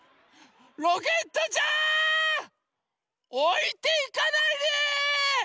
ロケットちゃん！おいていかないで！